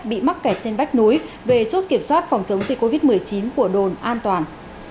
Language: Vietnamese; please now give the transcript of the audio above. bị mắc kẹt trên vách núi về chốt kiểm soát phòng chống dịch covid một mươi chín của đồn an toàn